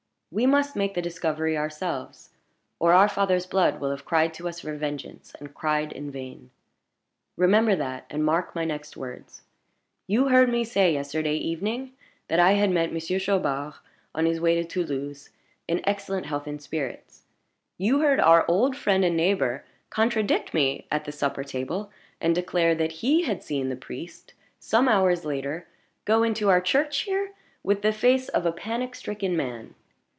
We must make the discovery ourselves, or our father's blood will have cried to us for vengeance, and cried in vain. Remember that, and mark my next words. You heard me say yesterday evening that I had met Monsieur Chaubard on his way to Toulouse, in excellent health and spirits. You heard our old friend and neighbor contradict me at the supper table, and declare that he had seen the priest, some hours later, go into our church here with the face of a panic stricken man.